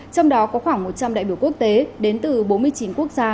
trong đó có khoảng một trăm linh đại biểu quốc tế đến từ bốn mươi chín quốc gia